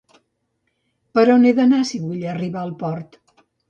Per on he d'anar si vull arribar al port?